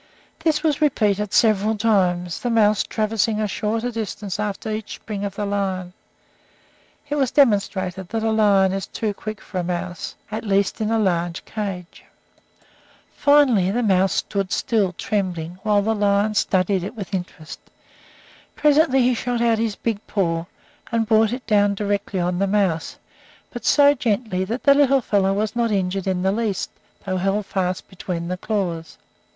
This was repeated several times, the mouse traversing a shorter distance after each spring of the lion. It was demonstrated that a lion is too quick for a mouse, at least in a large cage. Finally the mouse stood still, trembling, while the lion studied it with interest. Presently he shot out his big paw, and brought it down directly on the mouse, but so gently that the little fellow was not injured in the least, though held fast between the claws.